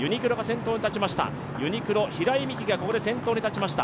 ユニクロ・平井見季が先頭に立ちました。